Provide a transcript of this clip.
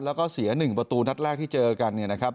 แล้วก็เสีย๑ประตูนัดแรกที่เจอกัน